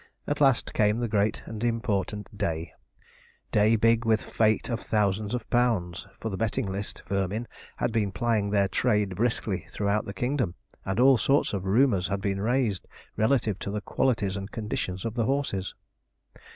At last came the great and important day day big with the fate of thousands of pounds; for the betting list vermin had been plying their trade briskly throughout the kingdom, and all sorts of rumours had been raised relative to the qualities and conditions of the horses.